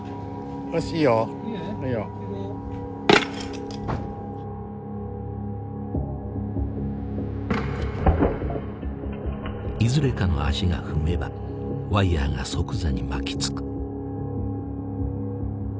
よしいいよ。いい？いいよ。いずれかの足が踏めばワイヤーが即座に巻きつく。